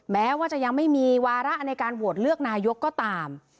แม้ว่าจะยังไม่มีวาระในการโหวตเลือกนายกก็ตาม